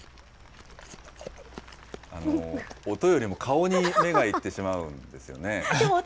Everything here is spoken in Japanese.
あのー、音よりも顔に目が行ってしまうんですよね。